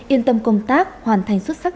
yên tâm công tác hoàn thành xuất sắc